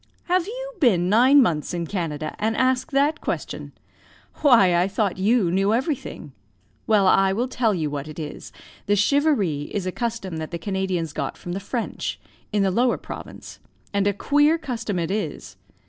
"Have you been nine months in Canada, and ask that question? Why I thought you knew everything! Well, I will tell you what it is. The charivari is a custom that the Canadians got from the French, in the Lower Province, and a queer custom it is.